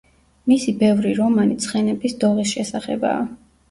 მისი ბევრი რომანი ცხენების დოღის შესახებაა.